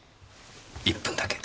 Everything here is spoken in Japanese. １分だけ。